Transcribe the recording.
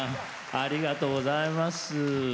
ありがとうございます。